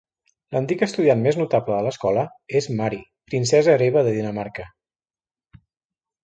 L'antic estudiant més notable de l'escola és Mary, Princesa Hereva de Dinamarca.